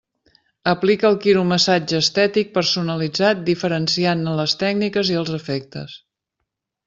Aplica el quiromassatge estètic personalitzat diferenciant-ne les tècniques i els efectes.